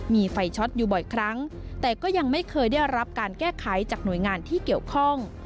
มีไฟช็อตอยู่บ่อยครั้งแต่ก็ยังไม่เคยได้รับการแก้ไขจากหน่วยงานที่เกี่ยวข้อง